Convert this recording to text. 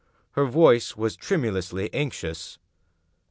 Her voice was tremulously anxious.